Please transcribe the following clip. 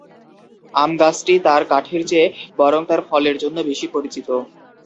আম গাছটি তার কাঠের চেয়ে বরং তার ফলের জন্য বেশি পরিচিত।